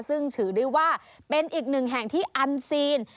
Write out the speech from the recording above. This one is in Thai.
ซึ่งถือได้ว่าเป็นอีกหนึ่งแห่งที่อันซีน